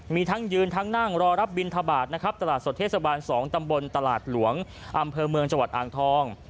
มีทั้งยืนทั้งนั่งรอรับบินทบาทนะครับตลาดสดเทศบาล๒ตำบลตลาดหลวงอำเภอเมืองจังหวัดอ่างทอง